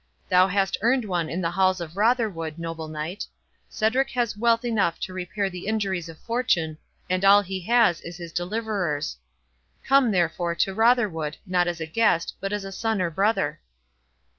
Thou hast earned one in the halls of Rotherwood, noble knight. Cedric has wealth enough to repair the injuries of fortune, and all he has is his deliverer's—Come, therefore, to Rotherwood, not as a guest, but as a son or brother."